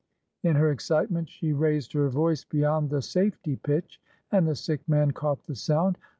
" In her excitement, she raised her voice beyond the safety pitch, and the sick man caught the sound.